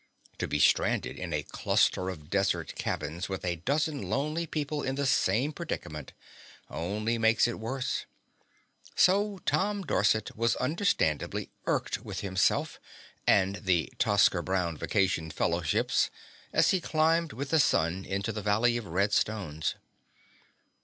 To be stranded in a cluster of desert cabins with a dozen lonely people in the same predicament only makes it worse. So Tom Dorset was understandably irked with himself and the Tosker Brown Vacation Fellowships as he climbed with the sun into the valley of red stones.